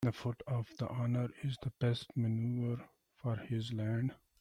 The foot of the owner is the best manure for his land.